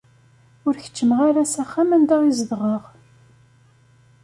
Ur keččmeɣ ara s axxam anda i zedɣeɣ.